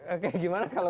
oke gimana kalau